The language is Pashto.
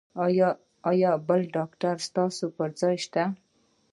ایا بل ډاکټر ستاسو پر ځای شته؟